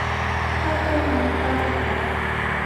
ข้าวต้มมัดไต้